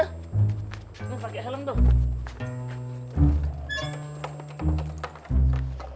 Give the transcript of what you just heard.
nih pake helm tuh